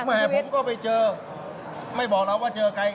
แม่ผมก็ไปเจอไม่บอกเราว่าเจอใคร